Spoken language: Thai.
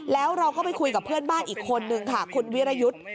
แล้วเราก็ไปคุยกับเพื่อนบ้านอีกคนนึงค่ะคุณวิรยุทธ์